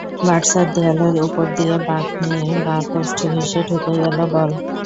বার্সার দেয়ালের ওপর দিয়ে বাঁক নিয়ে বাঁ পোস্ট ঘেঁষে ঢুকে গেল বল।